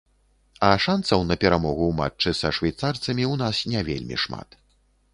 А шанцаў на перамогу ў матчы са швейцарцамі ў нас не вельмі шмат.